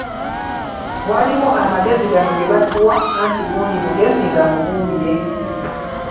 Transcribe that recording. Waliwo amagezi gano ge batuwa anti gundi mugezi nga mubuulire.